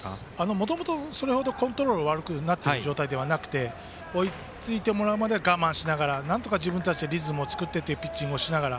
もともとそんなにコントロール悪くなっている状態ではなくて追いついてもらえるまではなんとか自分たちでリズムを作ってというピッチングをしながら。